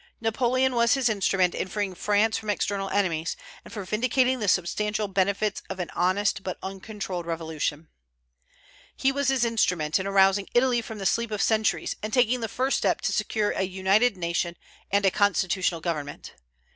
Napoleon was His instrument in freeing France from external enemies, and for vindicating the substantial benefits of an honest but uncontrolled Revolution. He was His instrument in arousing Italy from the sleep of centuries, and taking the first step to secure a united nation and a constitutional government.